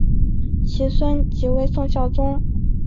其孙即为宋孝宗。